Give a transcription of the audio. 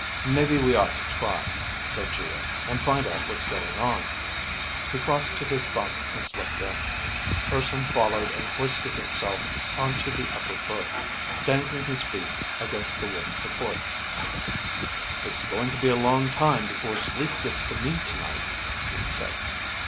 _ "Maybe we ought to try," said Geo, "and find out what's going on." He crossed to his bunk and slipped in. Urson followed and hoisted himself onto the upper berth, dangling his feet against the wooden support. "It's going to be a long time before sleep gets to me tonight," he said.